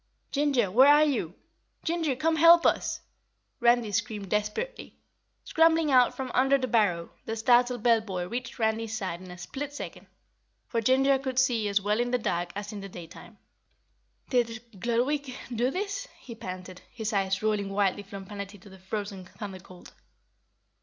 "Ginger, where are you? Ginger, come help us!" Randy screamed desperately. Scrambling out from under the barrow, the startled bell boy reached Randy's side in a split second, for Ginger could see as well in the dark as in the daytime. "Did Gludwig do this?" he panted, his eyes rolling wildly from Planetty to the frozen Thunder Colt.